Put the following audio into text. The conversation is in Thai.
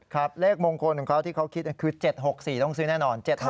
เลขมงคลของเขาที่เขาคิดคือ๗๖๔ต้องซื้อแน่นอน